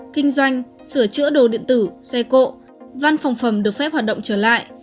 kinh doanh sửa chữa đồ điện tử xe cộ văn phòng phẩm được phép hoạt động trở lại